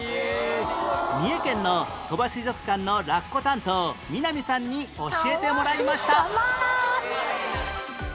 三重県の鳥羽水族館のラッコ担当南さんに教えてもらいました